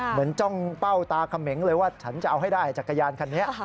จ้องเป้าตาเขมงเลยว่าฉันจะเอาให้ได้จักรยานคันนี้